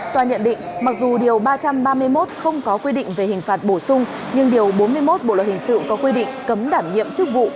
tòa nhận định mặc dù điều ba trăm ba mươi một không có quy định về hình phạt bổ sung nhưng điều bốn mươi một bộ luật hình sự có quy định cấm đảm nhiệm chức vụ